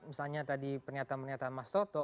misalnya tadi pernyataan pernyataan mas toto